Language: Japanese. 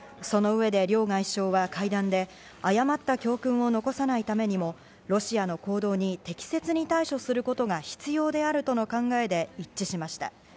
その上で両外相は会談で、誤った教訓を残さないためにもロシアの行動に適切に対処することが必要であるとの考えで一致しました。